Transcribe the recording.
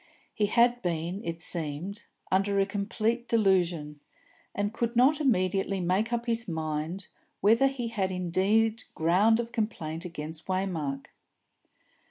He had been, it seemed, under a complete delusion, and could not immediately make up his mind whether he had indeed ground of complaint against Waymark.